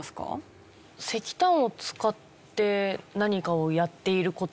石炭を使って何かをやっている事が多い。